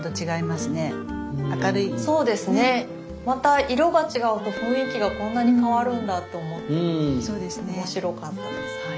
また色が違うと雰囲気がこんなに変わるんだと思って面白かったです。